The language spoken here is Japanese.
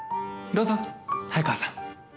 どうぞ、早川さん。